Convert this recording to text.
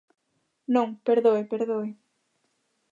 Non, perdoe, perdoe.